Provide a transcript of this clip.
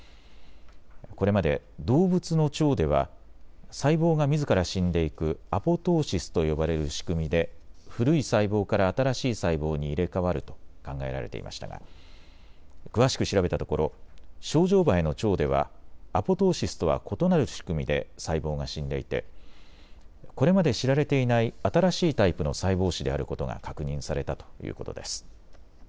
これまで動物の腸では細胞がみずから死んでいくアポトーシスと呼ばれる仕組みで古い細胞から新しい細胞に入れ代わると考えられていましたが詳しく調べたところショウジョウバエの腸ではアポトーシスとは異なる仕組みで細胞が死んでいてこれまで知られていない新しいタイプの細胞死であることが確認されたということです。